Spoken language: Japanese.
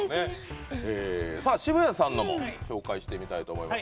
渋谷さんも紹介してみたいと思います。